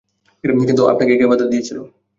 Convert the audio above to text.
কিন্তু আপনাকে কে বাধা দিয়েছিলো?